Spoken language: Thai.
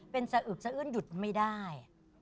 เป็นสะอึกสะอื้นหยุดไม่ได้